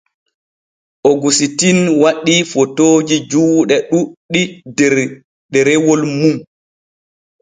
Ogusitin waɗii fotooji juuɗe ɗuuɗɗi der ɗerewol mum.